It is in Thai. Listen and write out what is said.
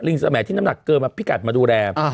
ลิงสระแหมที่นำหนักเกินพิกัดมาดูแล